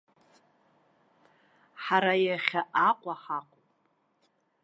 Ҳара иахьа Аҟәа ҳаҟоуп.